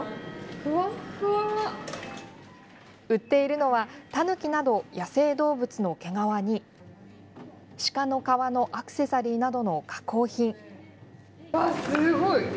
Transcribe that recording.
売っているのは、タヌキなど野生動物の毛皮に鹿の革のアクセサリーなどの加工品。